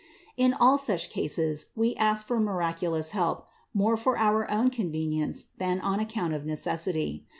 In all such cases we ask for miraculous help more for our own convenience than on account of necessity.